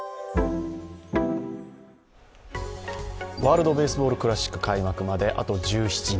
ワールドベースボールクラシック開幕まであと１７日。